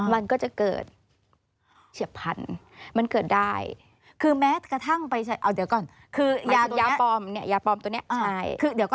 มันก็จะเกิดเฉียบพันธุ์มันเกิดได้